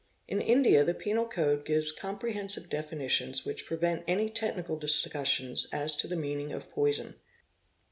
'In India the Penal Code gives comprehensive definitions which be os 654 POISONING prevent any technical discussions as to the meaning of "poison".